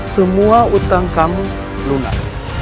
semua hutang kamu lunas